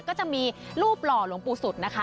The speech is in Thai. ก็จะมีรูปหล่อหลวงปู่สุดนะคะ